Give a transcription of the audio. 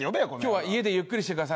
今日は家でゆっくりしてください。